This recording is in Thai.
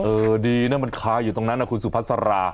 เออดีนะมันคาอยู่ตรงนั้นนะคุณสุพัสรา